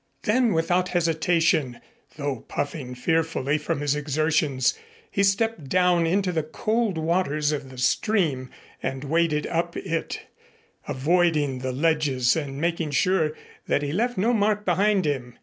Then without hesitation, though puffing fearfully from his exertions, he stepped down into the cold waters of the stream and waded up it, avoiding the ledges and making sure that he left no mark behind him.